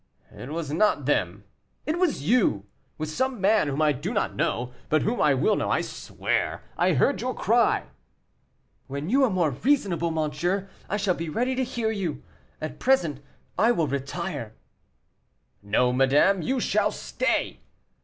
"It was not them; it was you, with some man whom I do not know, but whom I will know, I swear. I heard your cry." "When you are more reasonable, monsieur, I shall be ready to hear you; at present I will retire." "No, madame, you shall stay."